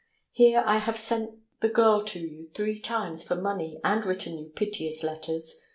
Here I have sent the girl to you three times for money and written you piteous letters.